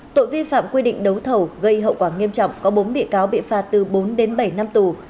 tội vi phạm quy định đấu thầu gây hậu quả nghiêm trọng có bốn bị cáo bị phạt từ bốn đến bảy năm tù